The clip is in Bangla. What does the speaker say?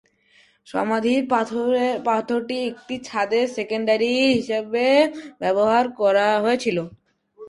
সমাধির পাথরটি একটি ছাদে সেকেন্ডারি হিসাবে ব্যবহার করা হয়েছিল।